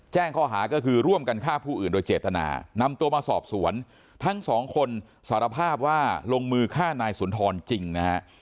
แจ้งข้อหาก็คือร่วมกันฆ่าผู้อื่นโดยเจตนานำตัวมาสอบสวนทั้งสองคนสารภาพว่าลงมือฆ่านายสุนทรจริงนะฮะ